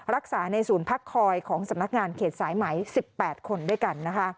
รักษาในศูนย์พักคอยของสำนักงานเขตสายไหม๑๘คนด้วยกัน